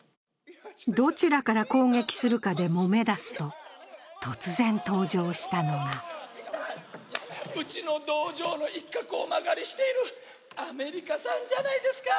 どちらから攻撃するかでもめ出すと、突然登場したのがうちの道場の一角を間借りしているアメリカさんじゃないですか。